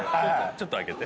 ちょっと開けて。